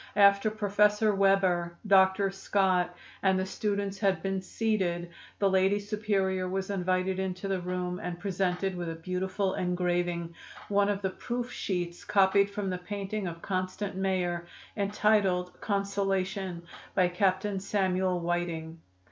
After Professor Weber, Dr. Scott and the students had been seated the Lady Superior was invited into the room and presented with a beautiful engraving, one of the proof sheets copied from the painting of Constant Mayor, entitled 'Consolation,' by Captain Samuel Whiting.